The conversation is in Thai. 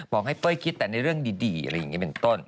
บอกให้เป้ยคิดแต่ในเรื่องดีอะไรอย่างนี้เป็นต้น